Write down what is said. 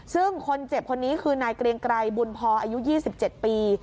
ซึ่งคนเจ็บคนนี้คือนายเกรียงไกรบุญพออายุ๒๗ปี